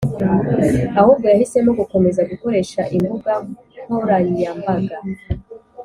ahubwo yahisemo gukomeza gukoresha imbuga nkoranyambaga.